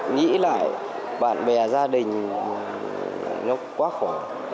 nghĩ lại bạn bè gia đình nó quá khó